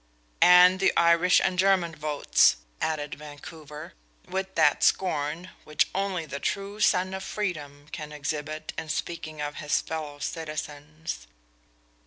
"And the Irish and German votes," added Vancouver, with that scorn which only the true son of freedom can exhibit in speaking of his fellow citizens.